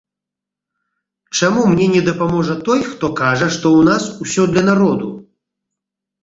Чаму мне не дапаможа той, хто кажа, што ў нас усё для народу?